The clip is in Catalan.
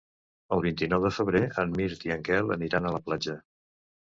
El vint-i-nou de febrer en Mirt i en Quel aniran a la platja.